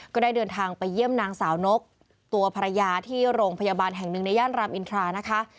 ก็ได้เดินทางไปเยี่ยมนางสาวนกตัวภรรยาที่โรงพยาบาลแห่งหนึ่งในย่านรามอินทรานะคะ